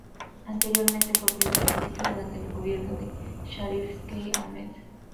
Anteriormente fue primer ministro, durante el gobierno de Sharif Sheikh Ahmed.